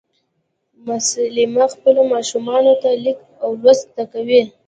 مسلیمه خپلو ماشومانو ته لیک او لوست زده کوي